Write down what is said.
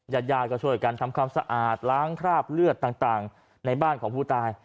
ญาติยายก็ช่วยกันทำความสะอาดล้างคราบเลือดต่างในบ้านของผู้ตาย